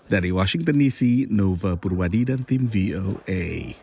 dari washington dc nova purwadi dan tim voa